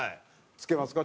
付けますか？